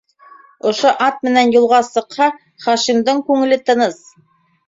Ошо ат менән юлға сыҡһа, Хашимдың күңеле тыныс.